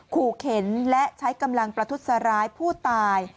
ขู่เข็นและใช้กำลังประทุษร้ายผู้ตาย